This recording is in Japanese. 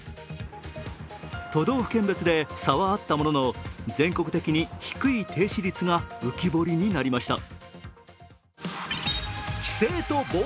都道府県別で差はあったものの全国的に低い停止率が浮き彫りになりました。